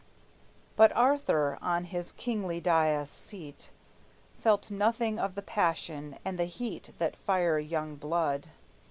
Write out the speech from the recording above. But Arthur, on his kingly dais seat, Felt nothing of the passion and the heat That fire young blood.